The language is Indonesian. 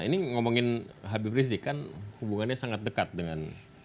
ini ngomongin habib rizik kan hubungannya sangat dekat dengan